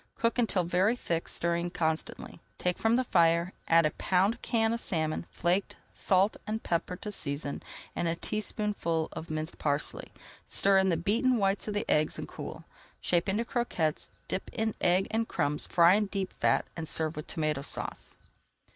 Cook until very thick, stirring constantly. Take from the fire, add a pound can of salmon, flaked, salt and pepper to season, and a teaspoonful of minced parsley. Stir in the beaten whites of the eggs and cool. Shape into croquettes, dip in egg and crumbs, fry in deep fat, and serve with Tomato Sauce.